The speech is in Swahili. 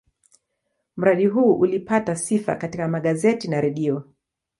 Mradi huu ulipata sifa katika magazeti na redio.